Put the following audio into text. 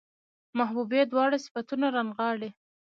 محبوبې دواړه صفتونه رانغاړي